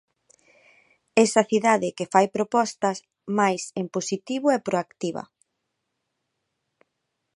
Esa cidade que fai propostas, máis en positivo e proactiva.